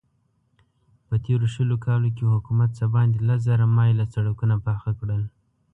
په تېرو شلو کالو کې حکومت څه باندې لس زره مايله سړکونه پاخه کړل.